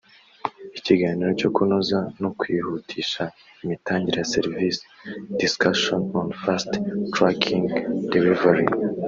b) Ikiganiro cyo kunoza no kwihutisha imitangire ya serivisi (Discussion on fast tracking delivery)